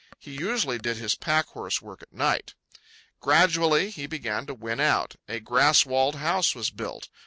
He usually did his packhorse work at night. Gradually he began to win out. A grass walled house was built.